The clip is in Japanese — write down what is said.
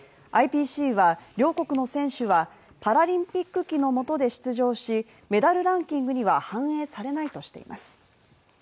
ＩＰＣは両国の選手はパラリンピック旗のもとで出場しメダルランキングには反映されないとしています。